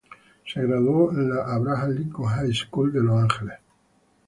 Se graduó en la Abraham Lincoln High School de Los Ángeles.